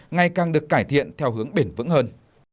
ngày càng được cải thiện theo hướng bền vững hơn